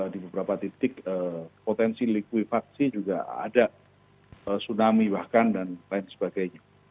di beberapa titik potensi likuifaksi juga ada tsunami bahkan dan lain sebagainya